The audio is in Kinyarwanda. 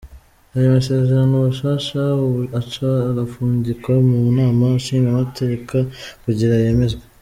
Ayo masezerano mashasha ubu aca arungikwa mu nama nshingamateka kugira yemezwe.